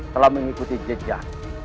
telah mengikuti jejak